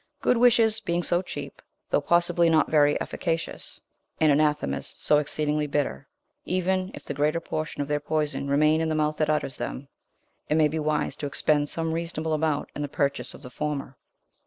Good wishes being so cheap, though possibly not very efficacious, and anathemas so exceedingly bitter, even if the greater portion of their poison remain in the mouth that utters them, it may be wise to expend some reasonable amount in the purchase of the former.